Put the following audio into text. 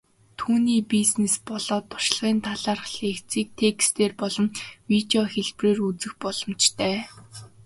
Түүний бизнес болоод туршлагын талаарх лекцийг текстээр болон видео хэлбэрээр үзэх боломжтой.